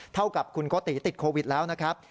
เท่ากับคุณโกติติดโควิดแล้วนะครับ